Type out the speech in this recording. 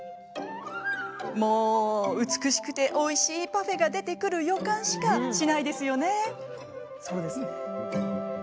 もう美しくておいしいパフェが出てくる予感しかしないですよね。